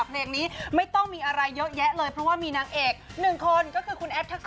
เพลงนี้ไม่ต้องมีอะไรเยอะแยะเลยเพราะว่ามีนางเอกหนึ่งคนก็คือคุณแอฟทักษะ